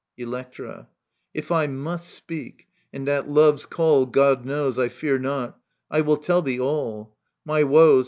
Electra. If I must speak — and at love's call, God knows, I fear not — I will tell thee all ; my woes.